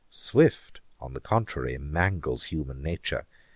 Swift, on the contrary, mangles human nature.